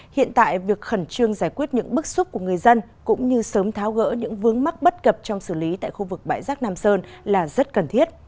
hiện tại việc khẩn trương giải quyết những bức xúc của người dân cũng như sớm tháo gỡ những vướng mắc bất cập trong xử lý tại khu vực bãi rác nam sơn là rất cần thiết